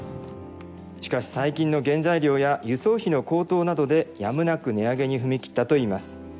しかし最近の原材料や輸送費の高騰などでやむなく値上げに踏み切ったといいます。